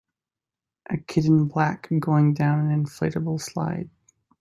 A kid in black going down an inflatbale slide.